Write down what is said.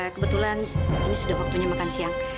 kebetulan ini sudah waktunya makan siang